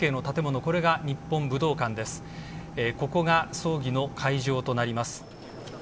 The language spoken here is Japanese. ここが葬儀の会場となります。